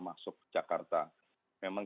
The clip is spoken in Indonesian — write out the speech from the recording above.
masuk jakarta memang